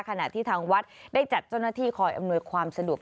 ขณะที่ทางวัดได้จัดเจ้าหน้าที่คอยอำนวยความสะดวก